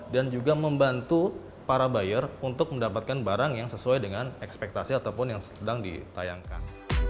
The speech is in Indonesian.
dan juga membantu para buyer untuk mendapatkan barang yang sesuai dengan ekspektasi ataupun yang sedang ditayangkan